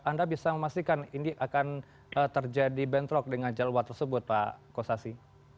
anda bisa memastikan ini akan terjadi bentrok dengan jalur tersebut pak kossasi